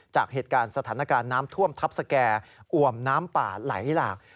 จากเหตุการณ์สถานการณ์น้ำท่วมทัพสแก่อ่วมน้ำป่าไหลหลาก